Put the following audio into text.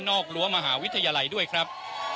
กรั้วมหาวิทยาลัยด้วยครับ